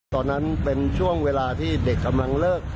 ตอนนั้นเป็นช่วงเวลาที่เด็กกำลังเลิก